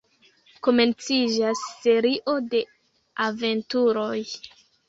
Komenciĝas serio de aventuroj.